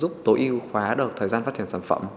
giúp tối ưu hóa được thời gian phát triển sản phẩm